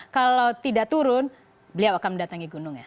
kalau tidak turun beliau akan mendatangi gunung ya